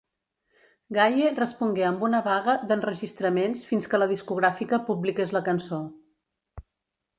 Gaye respongué amb una vaga d'enregistraments fins que la discogràfica publiqués la cançó.